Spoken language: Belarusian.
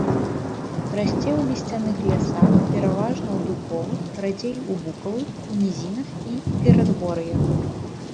Расце ў лісцяных лясах, пераважна ў дубовых, радзей у букавых, у нізінах і перадгор'ях.